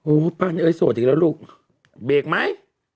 โอ้ปั้นโสดอีกแล้วลูกเบกไหม